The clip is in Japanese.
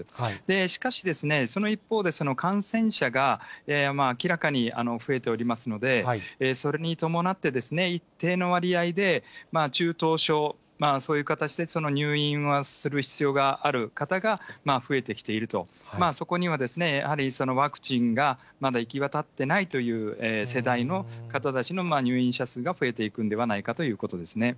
しかし、その一方で、感染者が明らかに増えておりますので、それに伴って一定の割合で中等症、そういう形で、入院はする必要がある方が増えてきていると、そこにはやはりワクチンがまだ行き渡ってないという世代の方たちの入院者数が増えていくんではないかということですね。